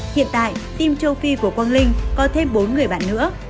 hiện tại tim châu phi của quang linh có thêm bốn người bạn nữa